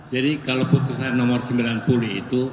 jadi kalau putusan nomor sembilan puluh itu